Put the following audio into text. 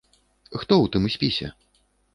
Хто ў тым спісе?